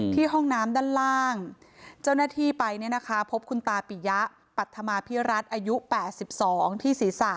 ห้องน้ำด้านล่างเจ้าหน้าที่ไปพบคุณตาปิยะปัธมาพิรัตน์อายุ๘๒ที่ศีรษะ